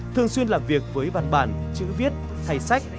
thường xuyên làm việc với bàn bàn chữ viết thay sách